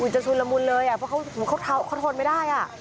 วิทจะชูลละมุลเลยนะ